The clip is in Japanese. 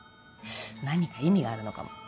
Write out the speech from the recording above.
何か意味があるのかも。